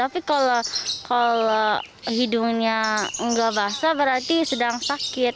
tapi kalau hidungnya nggak basah berarti sedang sakit